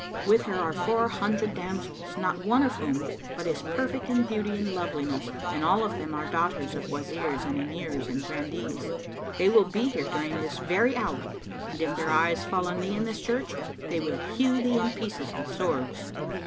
With her are four hundred damsels, not one of whom but is perfect in beauty and loveliness and all of them are daughters of Wazirs and Emirs and Grandees: they will be here during this very hour and if their eyes fall on thee in this church, they will hew thee in pieces with swords."